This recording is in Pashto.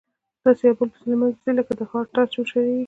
داسي يو په بل پسي له منځه ځي لكه د هار تار چي وشلېږي